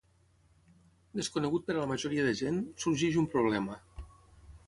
Desconegut per a la majoria de gent, sorgeix un problema.